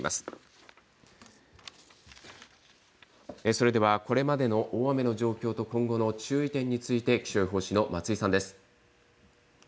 それではこれまでの大雨の状況と今後の注意点について気象予報士の松井さんです。